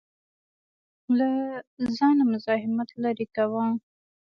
له ځانه مزاحمت لرې کاوه.